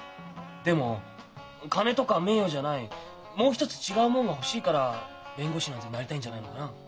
でも金とか名誉じゃないもう一つ違うもんが欲しいから弁護士なんてなりたいんじゃないのかなあ？